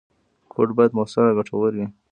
کوډ باید موثر او ګټور وي.